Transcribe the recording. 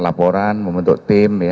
laporan membentuk tim